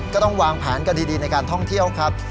ก็ต้องวางแผนกันดีในการท่องเที่ยวครับ